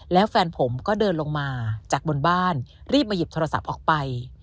แล้วแฟนผมก็เดินลงมาจากบนบ้านรีบมาหยิบโทรศัพท์ออกไป